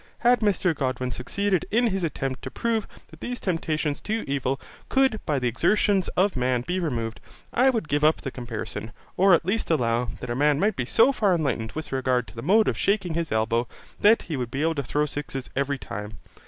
Had Mr Godwin succeeded in his attempt to prove that these temptations to evil could by the exertions of man be removed, I would give up the comparison; or at least allow, that a man might be so far enlightened with regard to the mode of shaking his elbow, that he would be able to throw sixes every time.